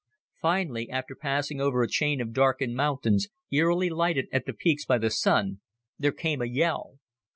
Finally, after passing over a chain of darkened mountains, eerily lighted at the peaks by the Sun, there came a yell.